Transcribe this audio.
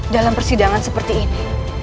dalam persidangan seperti ini